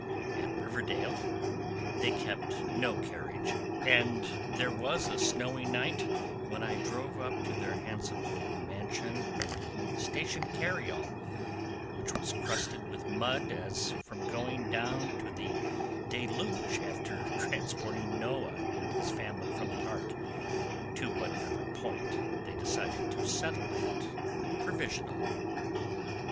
At Riverdale they kept no carriage, and there was a snowy night when I drove up to their handsome old mansion in the station carryall, which was crusted with mud as from the going down of the Deluge after transporting Noah and his family from the Ark to whatever point they decided to settle at provisionally.